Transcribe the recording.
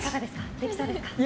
できそうですか。